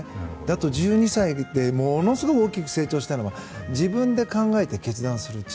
１２歳でものすごく大きく成長したのは自分で考えて決断する力。